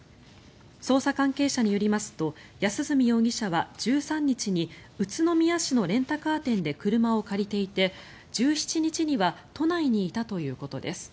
捜査関係者によりますと安栖容疑者は１３日に宇都宮市のレンタカー店で車を借りていて１７日には都内にいたということです。